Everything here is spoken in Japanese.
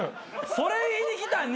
それ言いに来たん？